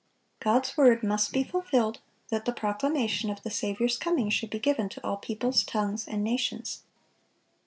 God's word must be fulfilled, that the proclamation of the Saviour's coming should be given to all peoples, tongues, and nations.